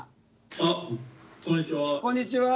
あっこんにちは。